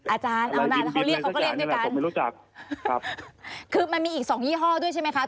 อาจารย์เอานะเขาเรียกเขาก็เรียกด้วยกันไม่รู้จักครับคือมันมีอีกสองยี่ห้อด้วยใช่ไหมคะ